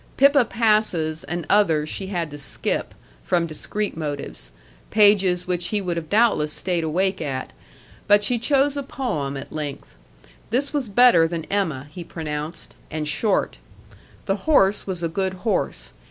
"Pippa Passes" and others she had to skip, from discreet motives pages which he would have doubtless stayed awake at; but she chose a poem at length. This was better than Emma, he pronounced. And short. The horse was a good horse.